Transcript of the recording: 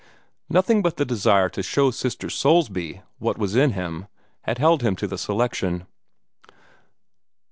Nothing but the desire to show Sister Soulsby what was in him had held him to the selection.